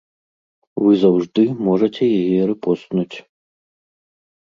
Вы заўжды можаце яе рэпостнуць.